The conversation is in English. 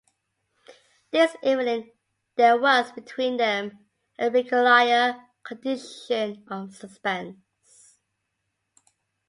This evening there was between them a peculiar condition of suspense.